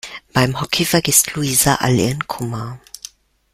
Beim Hockey vergisst Luisa all ihren Kummer.